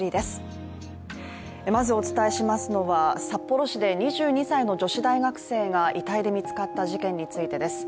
まずお伝えしますのは、札幌市で２２歳の女子大学生が遺体で見つかった事件についてです。